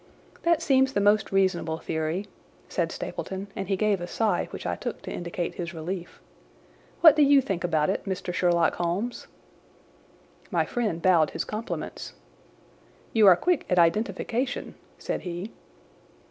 "That seems the most reasonable theory," said Stapleton, and he gave a sigh which I took to indicate his relief. "What do you think about it, Mr. Sherlock Holmes?" My friend bowed his compliments. "You are quick at identification," said he.